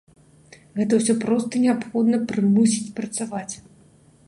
Гэта ўсё проста неабходна прымусіць працаваць.